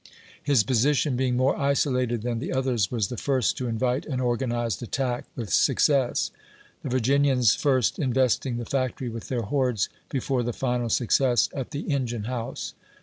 His position being more isolated than the others, was the first to invite an organized attack with success ; the Virginians first investing the factory with their hordes, before the final success at the engine house.